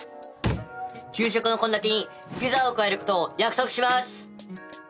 給食のこんだてにピザを加えることを約束します。